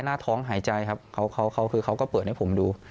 หน้าท้องหายใจครับเขาคือเขาก็เปิดให้ผมดู